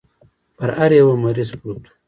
پر هر يوه مريض پروت و.